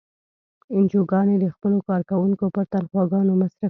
انجوګانې د خپلو کارکوونکو پر تنخواګانو مصرفیږي.